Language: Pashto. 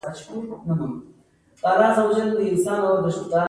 هغه په ژوند کې لومړي ځل راډيو واورېده.